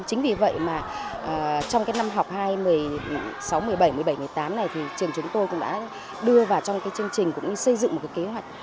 chính vì vậy trong năm học hai sáu một mươi bảy một mươi tám trường chúng tôi cũng đã đưa vào trong chương trình xây dựng một kế hoạch